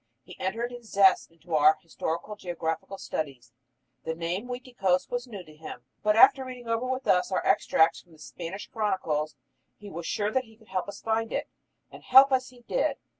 He entered with zest into our historical geographical studies. The name Uiticos was new to him, but after reading over with us our extracts from the Spanish chronicles he was sure that he could help us find it. And help us he did.